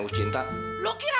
akhirnya kamu jalan ke mana